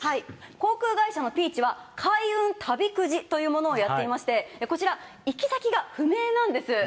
航空会社のＰｅａｃｈは、開運旅くじというものもやっていまして、こちら、行き先が不明なんです。